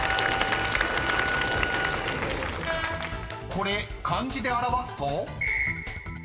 ［これ漢字で表すと？］